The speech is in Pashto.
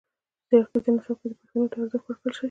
زدهکړیز نصاب کې دې پښتو ته ارزښت ورکړل سي.